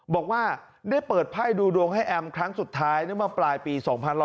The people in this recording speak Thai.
บอกว่าได้เปิดภายดูโดงให้แอมครั้งสุดท้ายนึกมาปลายปี๒๐๖๕